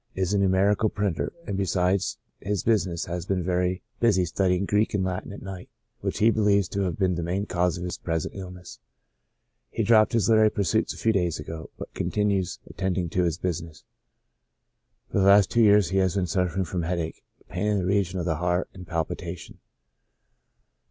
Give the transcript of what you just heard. Is a numerical printer, and besides his business has been very busy studying Greek and Latin at night, which he believes to have been the main cause of his present illness ; he dropped his literary pursuits a few days ago, but continues attending to his business. For the last two vears he has been suffer ing from headache, pain in the region of the heart, and pal pitation.